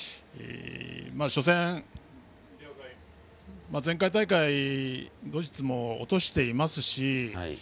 初戦、前回大会でドイツも落としていますし。